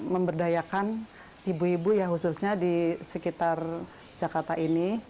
memberdayakan ibu ibu ya khususnya di sekitar jakarta ini